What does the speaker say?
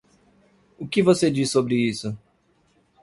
O que você diz sobre isso?